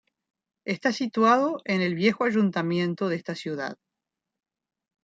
Está situado en el viejo ayuntamiento de esta ciudad.